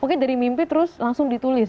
mungkin dari mimpi terus langsung ditulis